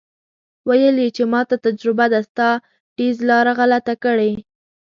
ویل یې چې ماته تجربه ده ستا ټیز لاره غلطه کړې.